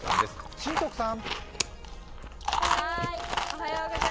新徳さん。